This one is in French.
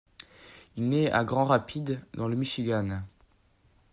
Il naît à Grand Rapids dans le Michigan.